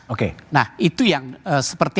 oke nah itu yang seperti